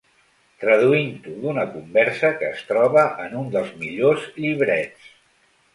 Traduint-ho d'una conversa que es troba en un dels millors llibrets.